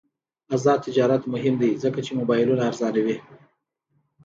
آزاد تجارت مهم دی ځکه چې موبایلونه ارزانوي.